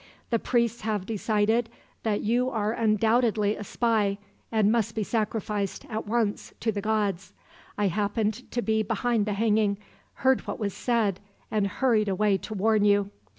The priests have decided that you are undoubtedly a spy, and must be sacrificed, at once, to the gods. I happened to be behind the hanging, heard what was said, and hurried away to warn you.